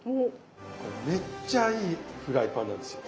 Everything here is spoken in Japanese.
これめっちゃいいフライパンなんですよ。